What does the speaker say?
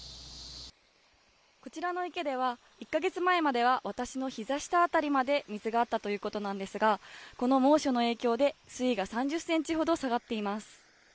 こちらの池では、１か月前までは私のひざ下辺りまで水があったということなんですが、この猛暑の影響で、水位が３０センチほど下がっています。